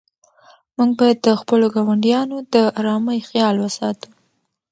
موږ باید د خپلو ګاونډیانو د آرامۍ خیال وساتو.